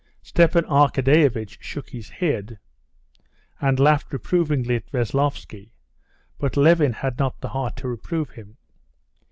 Stepan Arkadyevitch shook his head and laughed reprovingly at Veslovsky. But Levin had not the heart to reprove him.